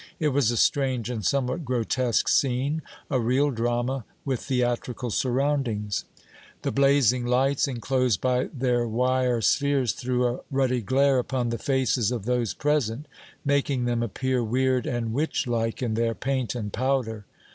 It was a strange and somewhat grotesque scene a real drama with theatrical surroundings. The blazing lights, enclosed by their wire spheres, threw a ruddy glare upon the faces of those present, making them appear weird and witch like in their paint and powder.